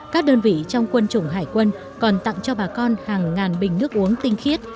các đơn vị trong quân chủng hải quân còn tặng cho bà con hàng ngàn bình nước uống tinh khiết